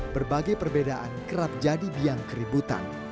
berbagai perbedaan kerap jadi biang keributan